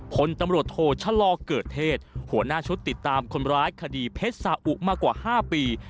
ผลตำรวจโทชะลอเกิดเทศหัวหน้าชุดติดตามคนร้ายคดีเพชรสาอุมากว่า๕ปี